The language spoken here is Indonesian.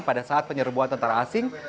pada saat penyerbuan tentara asing